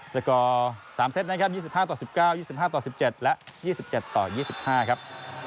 สกอร์๓เซตนะครับ๒๕ต่อ๑๙๒๕ต่อ๑๗และ๒๗ต่อ๒๕ครับ